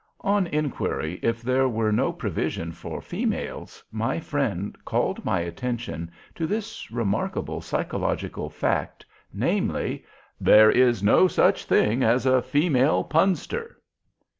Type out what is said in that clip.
On inquiry if there way no provision for females, my friend called my attention to this remarkable psychological fact, namely: THERE IS NO SUCH THING AS A FEMALE PUNSTER.